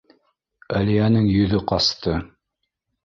Әлиәнең йөҙө ҡасты.